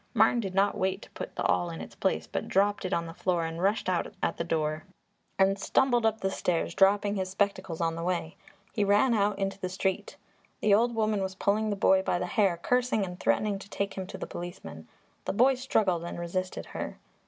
Martin did not wait to put the awl in its place, but dropped it on the floor and rushed out at the door and stumbled up the stairs, dropping his spectacles on the way. He ran out into the street. The old woman was pulling the boy by the hair, cursing and threatening to take him to the policeman; the boy struggled and resisted her.